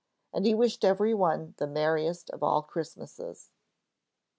And he wished every one the very merriest of all Merry Christmases!